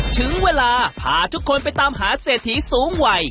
ถึงเวลาพาทุกคนไปตามหาเศรษฐีสูงวัย